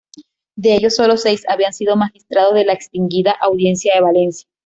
De ellos sólo seis habían sido magistrados de la extinguida Audiencia de Valencia.